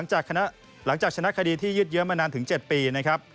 หลังจากชนะคดีที่ยืดเยอะมานานถึง๗ปี